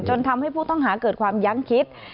ทำให้ผู้ต้องหาเกิดความยั้งคิด